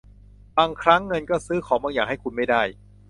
บางครั้งเงินก็ซื้อของบางอย่างให้คุณไม่ได้